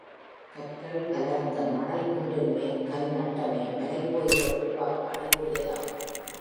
கற்கள் கலந்த மணல் குன்றின் மேல் கல் நட்டமை, மலைக் கோயில்கள் உருவாக அடிகோலியதாகும்.